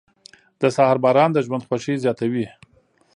• د سهار باران د ژوند خوښي زیاتوي.